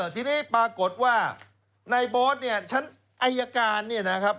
ทีนี้ปรากฏว่าในบอสเนี่ยชั้นอายการเนี่ยนะครับ